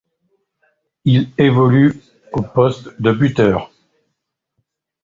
Il évolue au poste de buteur.